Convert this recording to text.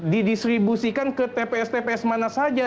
didistribusikan ke tps tps mana saja